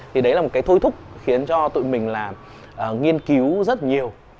thì đấy là một cái thôi thúc khiến cho tụi mình là nghiên cứu rất nhiều